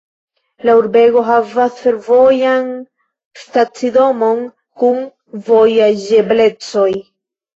La urbego havas fervojan stacidomon kun vojaĝeblecoj.